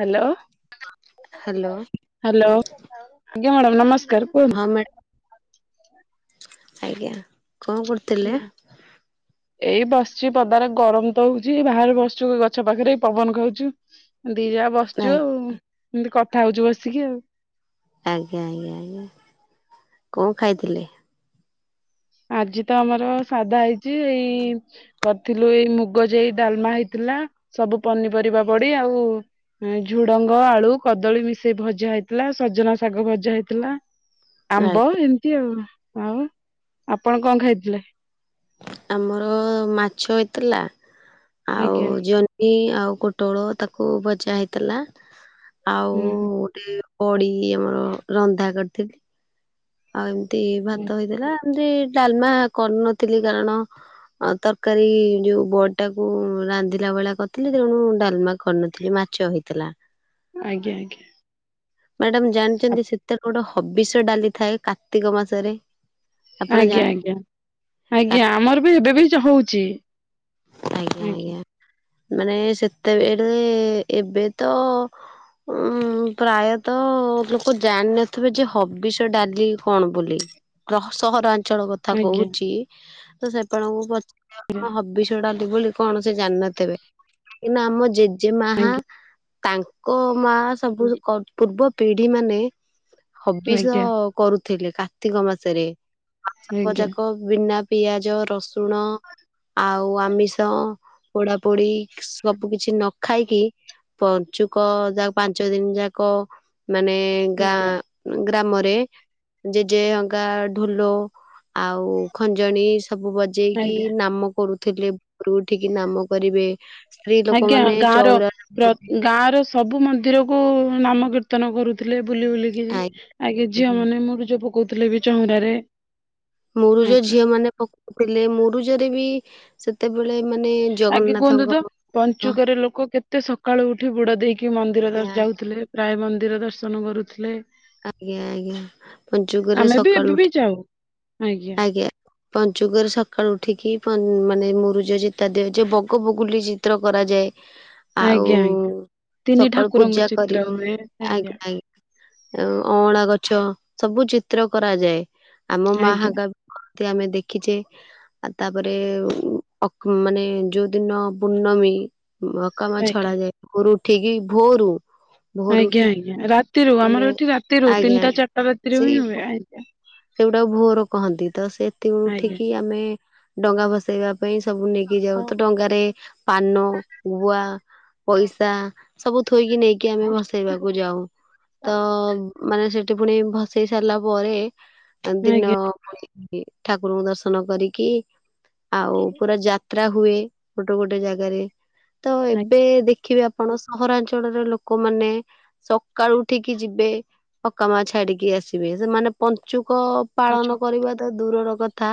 Hello. Hello. Hello ଆଜ୍ଞା madam ନମସ୍କାର କୁହନ୍ତୁ। ହଁ ମ୍ୟାଡ଼ ଆଜ୍ଞା କଣ କରୁଥିଲେ? ଏଇ ବସିଚୁ ପଦାରେ ଗରମ ତ ହଉଛିି ବାହାରେ ବସଛୁ ଗଛ ପାଖରେ ଏଇ ପବନ ଖାଉଛୁ। ଦି ଯା ବସିଛୁ ନାଇଁ ଆଉ ଏମତି କଥା ହଉଛୁ ବସିକି ଆଉ। ଆଜ୍ଞା ଆଜ୍ଞା ଆଜ୍ଞା କଣ ଖାଇଥିଲେ? ଆଜି ତ ଆମର ସାଧା ହେଇଛି ଏଇ କରିଥିଲୁ ଏଇ ମୁଗ ଯାଇ ଡାଲମା ହେଇଥିଲା ସବୁ ପନିପରିବା ପଡି ଆଉ ହୁଁ ଝୁଡଙ୍ଗ, ଆଳୁ, କଦଳୀ ମିଶେଇ ଭଜା ହେଇଥିଲା ସଜନାଶାଗ ଭଜା ହେଇଥିଲା। [inaudible] ଆମ୍ବ ଏମିତି ଆଉ ଆଉ ଆପଣ କଣ ଖାଇଥିଲେ? ଆମର ମାଛ ହେଇଥିଲା। ଆଉ ଆଜ୍ଞା। ଜହ୍ନି ଆଉ କୋଟଳ ତାକୁ ଭଜା ହେଇଥିଲା। ଆଉ ହୁଁ ଟିକେ ପଡି ଆମର ରନ୍ଧା କରିଥିଲେ। ଆଉ ଏମିତି ହୁଁ ଭାତ ହେଇଥିଲା ଏମତି ଡାଲମା କରୁନଥିଲି କାରଣ ଆ ତରକାରୀ ଯୋଉ ବଡିଟା କୁ ରାନ୍ଧିଲା ଭଳିଆ କରିଥିଲି ତେଣୁ ଡାଲମା କରିନଥିଲି ମାଛ ହେଇଥିଲା। ଆଜ୍ଞା ଆଜ୍ଞା ମ୍ୟାଡାମ ଜାଣିଛନ୍ତି ସେତେକଡ ହବିଷ ଡାଲି ଥାଏ କାର୍ତ୍ତିକ ମାସରେ? ଆପଣ ଆଜ୍ଞା ଜାଣି ଆଜ୍ଞା କା ଆଜ୍ଞା ଅମାରିବି ଏବେ ବି ହଉଛି। ଆଜ୍ଞା ଆଜ୍ଞା ମାନେ ସେତେବେଳେ ଏବେ ତ ଉଁ ପ୍ରାୟତଃ ଲୋକ ଜାଣିନଥିବେ ଯେ ହବିଷ ଡାଲି କଣ ବୋଲି? ରହ ସହରାଞ୍ଚଳ କଥା ଆଜ୍ଞା କହୁଛି ତ ସେ ଆପଣଙ୍କୁ ପ ଆଜ୍ଞା [unintelligible] ହବିଶ୍ ଡାଲି ବୋଲି କଣ ସେ ଜାଣିନଥିବେ। କିନା ଆମ ଜେଜେମାହା ଆଜ୍ଞା ତାଙ୍କ ମା ସବୁ କ ପୂର୍ବ ପିଢି ମାନେ ହବିଷ ଆଜ୍ଞା କରୁଥିଲେ କାର୍ତ୍ତିକ ମାସରେ ମାସକ ଯାକ ବିନା ପିଆଜ, ରସୁଣ ଓ ଆମିଷ ପୋଡା ପୋଡି ସବୁ କିଛି ନ ଖାଇକି ପଞ୍ଚୁକ ଯା ପାଞ୍ଚ ଦିନ ଯାକ ମାନେ ଆଜ୍ଞା ଗାଁ ଗ୍ରାମରେ ଜେଜେ ଅଙ୍କା ଢୋଲ ଆଉ ଖଞ୍ଜଣି ସବୁ ବ ଜେଇକି ଆଜ୍ଞା ନାମ କରୁଥିଲେ। ଭୋରୁ ଉଠିକି ନାମ କରିବେ। ସ୍ତ୍ରୀ ଆଜ୍ଞା ଲୋକମାନେ ଗାଁର ଚଉରା ର ଗାଁ ର ସବୁ ମନ୍ଦିରକୁ ନମ କୀର୍ତ୍ତନ କରୁଥିଲେ ବୁଲି ବୁଲି [unintelligible] ଆଗେ ଝିଅ ଆଜ୍ଞା। ମାନେ ମୁରୁଜ ପକଉଥିଲେ ବି ଚଉରାରେ। ମୁରୁଜ ଝିଅ ମାନେ ପକଉଥିଲେ ମରୁଜରେ ବି ସେତେବେଳେ ମାନେ ଆଗେ କୁହନ୍ତୁ ତ ଜଗନ୍ନାଥଙ୍କର ପଞ୍ଚୁକରେ ଲୋକ କେତେ ସକାଳୁ ଉଠି ବୁଡ ଦେଇକି ମନ୍ଦିର ଆଜ୍ଞା ଯାଉଥିଲେ। ପ୍ରାୟ ମନ୍ଦିର ଦର୍ଶନ କରୁଥିଲେ। ଆଜ୍ଞା ଆଜ୍ଞା ପଞ୍ଚୁକରେ ଆମେ ବି ଏବେ ସକାଳୁ ବି ଉଠି ଯାଉ ଆଜ୍ଞା। ପଞ୍ଚୁକରେ ସକାଳୁ ଉଠିକି ପ ମାନେ ମୁରୁଜ ଚିତା ଦିଆଯାଏ। ବଗ, ବଗୁଲି ଚିତ୍ର କରାଯାଏ। ଆଜ୍ଞା ଆଉ ଆଜ୍ଞା ତିନି ସକାଳୁ ଠାକୁରଙ୍କ ପୂଜା ଚିତ୍ର କରିକି ହୁଏ ଆଜ୍ଞା ଆଜ୍ଞା। ଅଁ ଅଁଳା ଗଛ ସବୁ ଚିତ୍ର କରାଯାଏ। ଆମ ଆଜ୍ଞା ମାହାକା ଗଧିଆ ଆମେ ଦେଖିଛେ। ଆଉ ତାପରେ ଅକୁ ମାନେ ଯୋଉଦିନ ପୂର୍ଣ୍ଣମୀ ଉଁ ଅକାମା ଆଜ୍ଞା ଛଡା ଯାଏ ଭୋରୁ ଉଠିକି ଭୋରୁ ଭୋରୁ ଆଜ୍ଞା ଉଠିକି ଆଜ୍ଞା ରାତିରୁ ମାନେ ଆମର ଏଠି ରାତିରୁ ଆଜ୍ଞା ତିନିଟା ଚାରିଟା ରାତିରେ ହିଁ ହୁଏ ଆଜ୍ଞା। ସେଉଟାକୁ ଭୋର କହନ୍ତି ତ ସେଥିରୁ ଆଜ୍ଞା। ଉଠିକି ଆମେ ଡଙ୍ଗା ଭସେଇବା ପାଇଁ ସବୁ ନେଇକି ହି ଯାଉ ହଁ, ତ ଡଙ୍ଗାରେ ପାନ, ଗୁଆ, ପଇସା ସବୁ ଥୋଇକି ନେଇ କି ଆମେ ଆଉ ଭସେଇବାକୁ ଯାଉ ତ ମାନେ ସେଠି ପୁଣି ଭସେଇ ସାରିଲା ପରେ ତ ଦିନ ଆଜ୍ଞା ଆଜ୍ଞା ଠାକୁରଙ୍କୁ ଦର୍ଶନ କରିକି ଆଉ ପୁରା ଯାତ୍ରା ହୁଏ ଗୋଟେ ଗୋଟେ ଜାଗାରେ ତ ଏବେ ଦେଖିବା ଆ ଆପଣ ସହରାଞ୍ଚଳରେ ଲୋକମାନେ ସକାଳୁ ଉଠିକି ଯିବେ ପକା ମା ଛାଡିକି ଆସିବେ ସେମାନେ ପଞ୍ଚୁକ ପାଳନ ଆଚ୍ଛା। କରିବା ତ ଦୂରର କ ଥା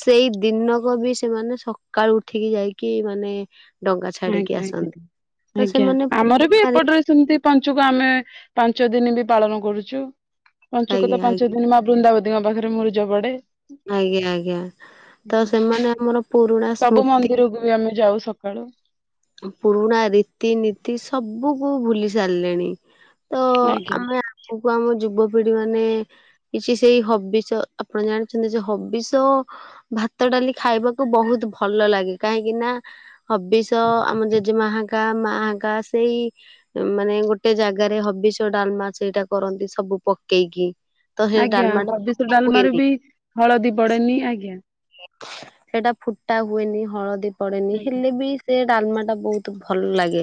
ସେଇ ଦିନକ ବି ସେମାନେ ସକାଳୁ ଉଠିକି ଯାଇକି ମାନେ ଡଙ୍ଗା ଛାଡିକି ଆଜ୍ଞା ଆଜ୍ଞା ଆସନ୍ତି ତ ଆଜ୍ଞା ସେମାନେ ଆମର ବି ପୁରୁଣାରେ ଏପଟରେ ସେମିତି ପାଞ୍ଚୁକ ଆମେ ପାଞ୍ଚ ଦିନ ବି ପାଳନ କରୁଛୁ। ପଞ୍ଚୁକ ଆଜ୍ଞା ତ ପାଞ୍ଚ ଆଜ୍ଞା ଦିନ ମା ବୃନ୍ଦାବତୀଙ୍କ ପାଖରେ ମୂରିଜ ପଡେ। ଆଜ୍ଞା ଆଜ୍ଞା ତ ଆଜ୍ଞା। ସେମାନେ ଆମର ପୁରୁଣା ସବୁ ସ୍ମୃତି। ମନ୍ଦିରକୁ ଆମେ ଯାଉ ସକାଳୁ। ପୁରୁଣା ରୀତିନୀତି ସବୁକୁ ଭୁଲି ସାରିଲେଣି। ତ ଆଜ୍ଞା ଆମେ ଆଗକୁ ଆମ ଯୁବପିଢି ମାନେ କିଛି ସେଇ ହବିଷ ଆପଣ ଜାଣିଛନ୍ତି ସେ ହବିଷ ଓ ଭାତ ଡାଲି ଖାଇବାକୁ ବହୁତ ଭଲ ଲାଗେ କାହିଁକି ନା ହବି ତ ଆମ ଜେଜେମାହାକା ମାହାକା ସେଇ ମାନେ ଗୋଟେ ଜାଗାରେ ହବିଷ ଡାଲମା ସେଇଟା କରନ୍ତି ସବୁ ପକେଇକି। ତ ସେ ଆଜ୍ଞା ଡାଲମା ଟା ହବିଷ ଫୁଟା ଡାଲମାରେ ହୁଏନି। ବି ହଳଦୀ ପଡେନି ଆଜ୍ଞା। ସେଟା ଫୁଟା ହୁଏନି ହଳଦୀ ପଡେନି ଆଜ୍ଞା ହେଲେ ବି ସେ ଡାଲମା ଟା ବହୁତ ଭଲ ଲାଗେ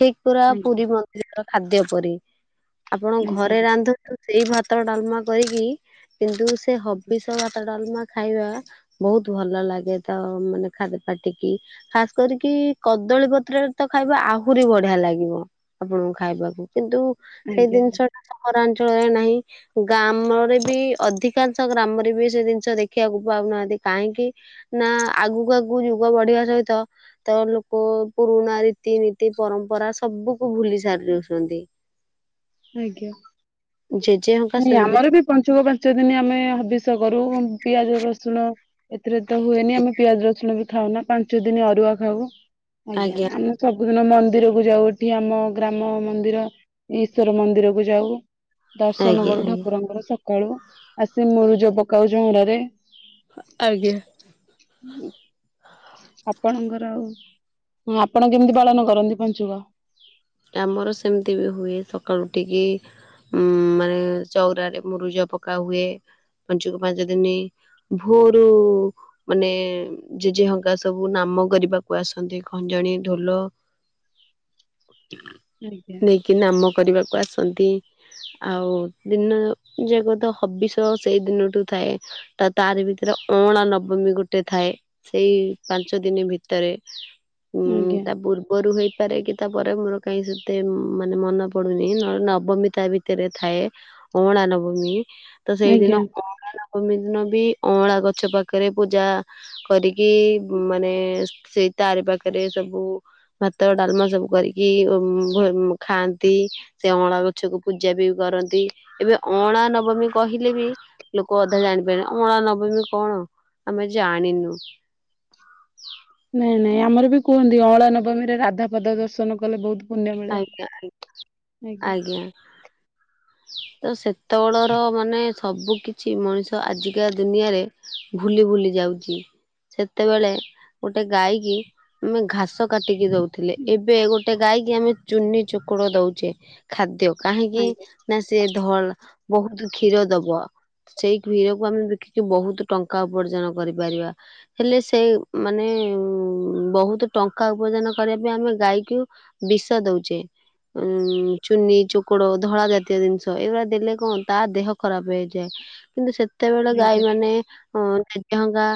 ଠିକ ପୁରା ଆଜ୍ଞା ପୁରୀ ମ ର ଖାଦ୍ୟ ପରି ଆପଣ ଆଜ୍ଞା ଘରେ ରାନ୍ଧନ୍ତୁ। ସେଇ ଭାତ ଡାଲମା କରିକି କିନ୍ତୁ ସେ ହବିଷ ଭାତ ଡାଲମା ଖାଇବା। ବହୁତ ଭଲ ଲାଗେ ତ ମାନେ ଖା ଖାଦ ପାଟିକି ଖାସ କରିକି କଦଳୀ ପତ୍ରରେ ତ ଖାଇବା ଆହୁରି ବଢିଆ ଲାଗିବ ଆପଣଙ୍କୁ ଖାଇବାକୁ। କିନ୍ତୁ ଆଜ୍ଞା ସେଇ ଆଜ୍ଞା ଜିନିଷ ଟା ସହରାଞ୍ଚଳରେ ନାହିଁ। ଗ୍ରାମରେ ବି ଅଧିକାଂଶ ଗ୍ରାମରେ ବି ସେ ଜିନିଷ ଦେଖିବାକୁ ପାଉନାହାନ୍ତି। କାହିଁକି ନା ଆଗକୁ ଆଗକୁ ଯୁଗ ବଢିବା ସହିତ ତ ଲୋକ ପୁରୁଣା ରୀତିନୀତି ପରମ୍ପରା ସବୁକୁ ଭୁଲି ସାରି ଦଉଛନ୍ତି। ଆଜ୍ଞା। ଯେଜେ ହଁ ନାଇଁ ଆମର ବି ପଞ୍ଚୁକ ପା ଚ ଦିନ ଆମେ ହବଷ କରୁ ପିଆଜ ରସୁଣ ଏଥିରେ ତ ହୁଏନି ଆମେ ପିଆଜ ରସୁଣ ବି ଖାଉ ନା ପାଞ୍ଚ ଦିନ ଅରୁଆ ଖାଉ ଆଜ୍ଞା ଆମେ ସବୁଦିନ ମନ୍ଦିର କୁ ଯାଉ ଏଠି ଆମ ଗ୍ରାମ ମନ୍ଦିର ଈଶ୍ୱର ମନ୍ଦିର କୁ ଯାଉ। ଦର୍ଶନ ଆଜ୍ଞା କରୁ ଆଜ୍ଞା। ଠାକୁରଙ୍କର ସକାଳୁ ଆସି ମରୁଜ ପକାଉ ଚଉଁରାରେ ଆଜ୍ଞା। ହୁଁ। ଆପଣଙ୍କର ଆଉ ଆପଣ କେମିତି ପାଳନ କରନ୍ତି ପଞ୍ଚୁକ? ଆମର ସେମିତି ବି ହୁଏ ସକାଳୁ ଉଠିକି ଉଁ ମାନେ ଚଉରାରେ ମୁରୁଜ ପକା ହୁଏ ପଞ୍ଚୁକ ପାଞ୍ଚ ଦିନି ଭୋରୁ ମାନେ ଜେଜେ ହଙ୍କା ସବୁ ନାମ କରିବାକୁ ଆସନ୍ତି ଖଞ୍ଜଣି ଢୋଲ ଆଜ୍ଞା ନେଇକି ନାମ କରିବାକୁ ଆସନ୍ତି। ଆଉ ଦିନ ଯେବେତ ହବିଷ ସେଇ ଦିନଠୁ ଥାଏ। ତା ତାରି ଭିତରେ ଅଁଳା ନବମୀ ଗୋଟେ ଥାଏ। ସେଇ ପାଞ୍ଚ ଦିନି ଭିତରେ ଉଁ ଆଜ୍ଞା ତା ପୂର୍ବରୁ ହେଇପାରେ କେ ପରେ ମୋର କାଇଁ ସେତେ ମ୍-ମାନେ ମନେ ପଡୁନି ନହନେ ନବମି ତା ଭିତରେ ଥାଏ। ଅଁଳା ନବମୀ ତ ସେଇଦିନ ଆଜ୍ଞା। ଅଁ ଅଁଳା ନବମୀ ଦିନ ବି ଅଁଳା ଗଛ ପାଖରେ ପୂଜା କରିକି ଉଁ ମାନେ ସେଇ ତାରି ପାଖରେ ସବୁ ଭାତ, ଡାଲମା ସବୁ କରିକି ଉମ୍ ଭ ଖାଆନ୍ତି। ସେ ଅଁଳା ଗଛକୁ ପୂଜା ବି କରନ୍ତି ଏବେ ଅଁଳା ନବମୀ କହିଲେ ବି ଲୋକ ଅଧା ଜାଣିପାରି ଅଁଳା ନବମି କଣ ଆମେ ଜାଣିନୁ। ନାଇଁ ନାଇଁ ଆମର ବି କୁହନ୍ତି ଅଁଳା ନବମୀରେ ରାଧା ପାଦ ଦର୍ଶନ କଲେ ବୋହୁତ ଆଜ୍ଞା ଆ ଆଜ୍ଞା। ତ ସେତବେଳର ମାନେ ସବୁକିଛି ମଣିଷ ଆଜିକା ଦୁନିଆରେ ଭୁଲି ଭୁଲି ଯାଉଚି। ସେତେବେଳେ ଗୋଟେ ଗାଈକିି ଆମେ ଘାସ କାଟିକି ଦୋଉଥିଲେ ଏବେ ଗୋ ଗୋଟେ ଗାଈକି ଆମେ ଚୁନି ଚୋକୁଡ ଦୋଉଚେ ଖାଦ୍ୟ କାହିଁକି ଆଜ୍ଞା ନା ସିଏ ଧଳ୍ ବୋହୁତୁ କ୍ଷୀର ଦବ। ସେଇ କ୍ଷୀରକୁ ଆମେ ବିକିକି ବୋହୁତ ଟଙ୍କା ଉପାର୍ଜନ କରିପାରିବା। ହେଲେ ସେଇ ମାନେ ଉଁ ବୋହୁତ ଟଙ୍କା ଉପାର୍ଜନ କରିବା ପାଇଁ ଆମେ ଗାଈକୁ ବିଷ ଦୋଉଚେ। ଉ ଚୁନି ଚୋକଡ ଧଳା ଜାତୀୟ ଜିନିଷ ଏଉରା ଦେଲେ କଣ ତା ଦେହ ଖରାପ ହେଇଯାଏ। କିନ୍ତୁ ସେତେବେଳେ ଆଜ୍ଞା। ଗାଈମାନେ ଅଁ [unintelligible] ହଙ୍ଗା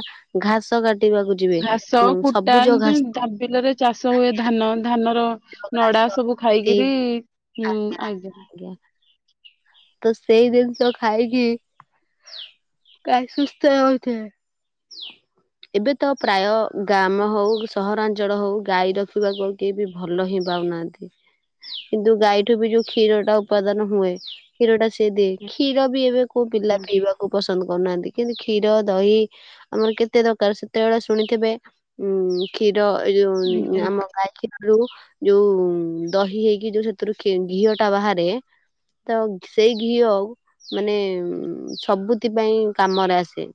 ଘାସ କାଟିବାକୁ ଯିବେ ଘାସ, ଉଁ କୁଟା ସବୁଜ ଏମତି ଘାସ ଯା ବିଲରେ ଚାଷହୁଏ ଧାନ ଧାନର ଘାସ ନଡା ସବୁ ଟି ଖାଇକିରି ନୋଉଁ ଆଜ୍ଞା। ଆଜ୍ଞା। ତ ସେଇ ଦିନଷ ଖାଇକି ଗାଈ ସୁସ୍ଥ ରହୁଥୁଲେ। ଏବେ ତ ପ୍ରାୟ ଗ୍ରାମ ହୋଉ କି ସହରାଞ୍ଚଳ ହୋଉ ଗାଈ ରଖିବାକୁ ଆଉ କିଏ ବି ଭଲ ହିଁ ପାଉନାହାନ୍ତି କିନ୍ତୁ ଗାଈଠୁ ବି ଯୋଉ କ୍ଷୀରଟା ଉପାଦାନ ହୁଏ କ୍ଷୀରଟା ସିଏ ଦିଏ କ୍ଷୀର ବି ଏବେ କୋଉ ପିଲା ଆଜ୍ଞା ପିଇବାକୁ ପସନ୍ଦ କରୁନାହାନ୍ତି କିନ୍ତୁ କ୍ଷୀର ଦହି ଆମର କେତେ ଦରକାର ସେତେବେଳେ ଶୁଣିଥିବେ ଉଁ କ୍ଷୀର ଏ ଯୋଉ ଆଜ୍ଞା ଆମ ଗାଈ କ୍ଷୀର ଦୁହୁଁ ଯୋଉ ଦହି ହେଇକି ଯୋଉ ସେଥିରୁ କ୍ଷୀ ଘିଅଟା ବାହାରେ ତ ସେଇ ଘିଅ ଆଉ ମାନେ ଉମ୍ ସବୁଥି ପାଇଁ କାମରେ ଆସେ।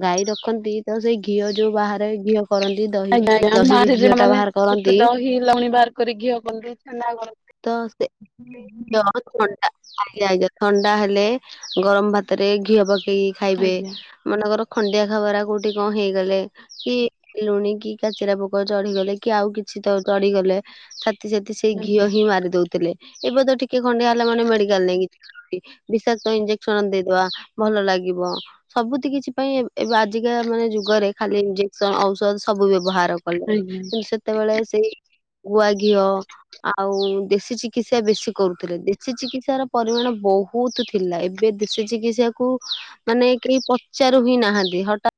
ଗାଈ ରଖନ୍ତି ତ ସେଇ ଘିଅ ଯୋଉ ବାହାରେ ଘିଅ କରନ୍ତି ଦହି ଆଜ୍ଞା ଦହିରୁ ଘିଅଟା ବାହାର କରନ୍ତି। ଲହୁଣି ବାହାର କରିକି ଘିଅ କରନ୍ତି, ଛେନା କର ତ ସେ ଜରଥଣ୍ଡା [unintelligible] ଥଣ୍ଡା ହେଲେ ଗରମ ଭାତରେ ଘିଅ ପକେଇକି ଖାଇବେ ଆଜ୍ଞା ମନେକର ଖଣ୍ଡିଆ ଖାବରା କୋଉଠି କଣ ହେଇଗଲେ କି ଲୁଣି କି କାଚେରା ପୋକ ଚଢିଗଲେ କି ଆଉ କିଛି ତ ଚଢିଗଲେ ସାତି ସାତି ସେଇ ଘିଅ ଆଜ୍ଞା ହିଁ ମାରି ଦୋଉଥିଲେ ଏବେ ତ ଟିକେ ଖଣ୍ଡିଆ ହେଲା ମାନେ ମେଡିକାଲ ନେଇକି କି ବିଷାକ୍ତ ଇଞ୍ଜେକ୍ସନ ଦେଇଦବା ଭଲଲାଗିବ। ସବୁଥି କିଛି ପାଇଁ ଏ ଏବେ ଆଜିକା ମାନେ ଯୁଗରେ ଖାଲି ଇଞ୍ଜେକ୍ସ ଔଷଧ ସବୁ ବ୍ୟବହାର ର କଲେ ଆଜ୍ଞା। କିନ୍ତୁ ସେତେବେଳେ ସେଇ ଗୁଆ ଘିଅ ଆଉ ଦେଶୀ ଚିକିତ୍ସା ବେଶୀ କରୁଥିଲେ ଦେଶୀ ଚିକିତ୍ସାର ପରିମାଣ ବୋହୁ ବୋହୁତୁ ଥିଲା ଏବେ ଦେଶି ଚିକିତ୍ସାକୁ ମାନେ କେହି ପଚାରୁ ହିଁ ନାହାନ୍ତି ହଠା